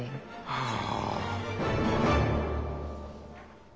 はあ。